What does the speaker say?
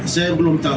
saya belum tahu